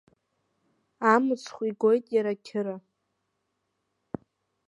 Амыцхә игоит иара ақьыра…